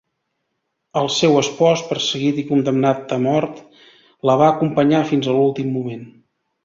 El seu espòs, perseguit i condemnat a mort, la va acompanyar fins a l'últim moment.